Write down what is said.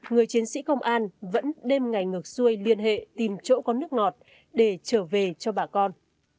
người chiến sĩ công an vẫn đêm ngày ngược xuôi liên hệ tìm chỗ có nước ngọt để trở về cho bà con